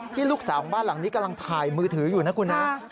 ลูกสาวของบ้านหลังนี้กำลังถ่ายมือถืออยู่นะคุณนะ